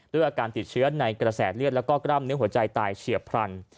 อาการติดเชื้อในกระแสเลือดแล้วก็กล้ามเนื้อหัวใจตายเฉียบพลัน